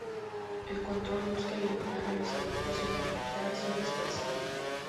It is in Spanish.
El control busca eliminar a los adultos y limitar su dispersión.